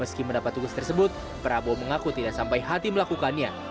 meski mendapat tugas tersebut prabowo mengaku tidak sampai hati melakukannya